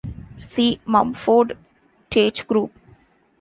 See Mumford-Tate group.